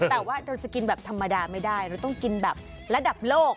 แต่ว่าเราจะกินแบบธรรมดาไม่ได้เราต้องกินแบบระดับโลก